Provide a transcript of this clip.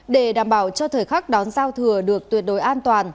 để đảm bảo cho thời khắc đón giao thừa được tuyệt đối an toàn